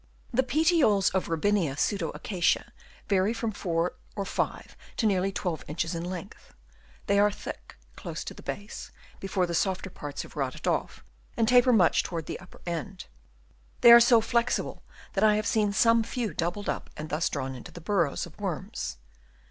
The petioles of Robinia pseudo acacia vary from 4 or 5 to nearly 12 inches in length; they are thick close to the base before the softer parts have rotted off, and taper much towards the upper end. They are so flexible that I have seen some few doubled up and thus drawn into the burrows of worms.